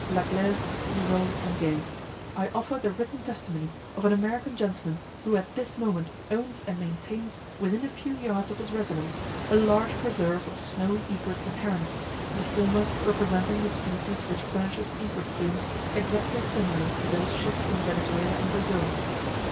Laglaize, Grisol and Geay, I offer the written testimony of an American gentleman who at this moment owns and maintains within a few yards of his residence a large preserve of snowy egrets and herons, the former representing the species which furnishes egret plumes exactly similar to those shipped from Venezuela and Brazil.